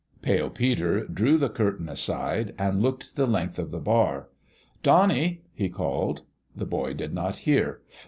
Pale Peter drew the curtain aside and looked the length of the bar. " Donnie !" he called. The boy did not hear.